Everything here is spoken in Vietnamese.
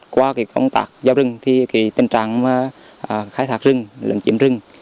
qua công tác giao rừng tình trạng khai thác rừng lưỡng chiếm rừng